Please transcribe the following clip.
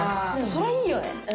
それいいよね！